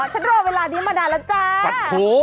ฉันรอเวลานี้มานานแล้วจ้า